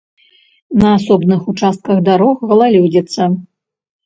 На асобных участках дарог галалёдзіца.